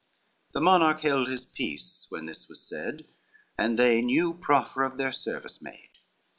The monarch held his peace when this was said, And they new proffer of their service made.